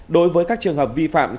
đối với các trường hợp vi phạm